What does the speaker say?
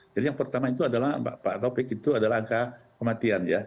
jadi yang pertama itu adalah pak topik itu adalah angka kematian ya